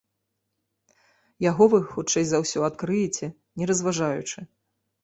Яго вы, хутчэй за ўсё, адкрыеце, не разважаючы.